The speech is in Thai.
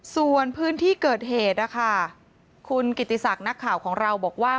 ส่วนพื้นที่เกิดเหตุนะคะคุณกิติศักดิ์นักข่าวของเราบอกว่า